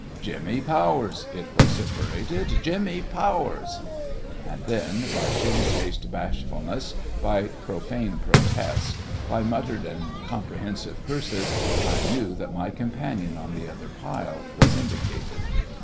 "Jimmy Powers!" it vociferated, "Jimmy Powers." And then by shamefaced bashfulness, by profane protest, by muttered and comprehensive curses I knew that my companion on the other pile was indicated.